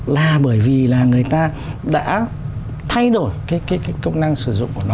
là bởi vì là người ta đã thay đổi cái công năng sử dụng của nó